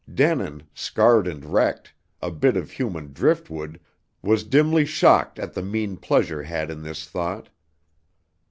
Denin, scarred and wrecked, a bit of human driftwood, was dimly shocked at the mean pleasure had in this thought.